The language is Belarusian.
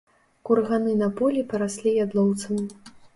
Курганы на полі параслі ядлоўцам.